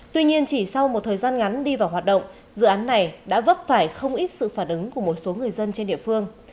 tuy nhiên chỉ sau một thời gian ngắn đi vào hoạt động dự án này đã vấp phải không ít sự phản ứng của một số người dân trên địa phương